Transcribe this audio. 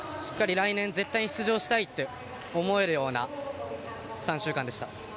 来年、絶対に出場したいって思えるような３週間でした。